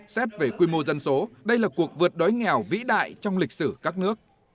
xét về quy mô dân số đây là cuộc vượt đói nghèo vĩ đại trong lịch sử các nước